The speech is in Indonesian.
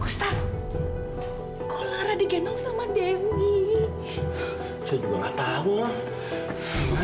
sampai jumpa di video selanjutnya